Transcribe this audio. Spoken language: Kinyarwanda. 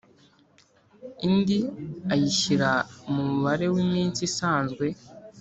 indi ayishyira mu mubare w’iminsi isanzwe.